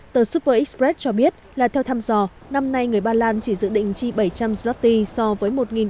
tờ super express cho biết là theo thăm dò năm nay người ba lan chỉ dự định chi bảy trăm linh zloty so với một bảy trăm linh